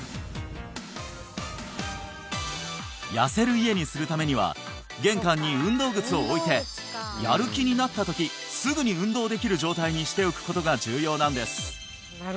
痩せる家にするためには玄関に運動靴を置いてやる気になった時すぐに運動できる状態にしておくことが重要なんです